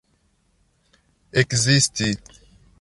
ekzisti